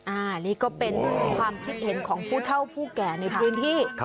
อันนี้ก็เป็นความคิดเห็นของผู้เท่าผู้แก่ในพื้นที่